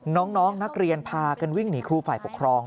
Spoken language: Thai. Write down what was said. น้องนักเรียนพากันวิ่งหนีครูฝ่ายปกครอง